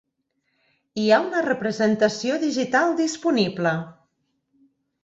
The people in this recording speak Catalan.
Hi ha una representació digital disponible.